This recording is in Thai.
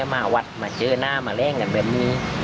มาหวัดมาเจอหน้ามาแร้งกันแบบนี้